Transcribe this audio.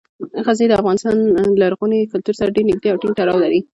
غزني د افغان لرغوني کلتور سره ډیر نږدې او ټینګ تړاو لري.